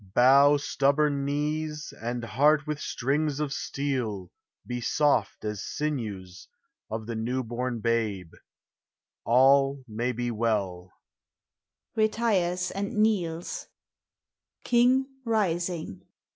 Bow, stubborn knees; and heart with strings of steel, He soft as sinews of the new born babe! All ma v be well.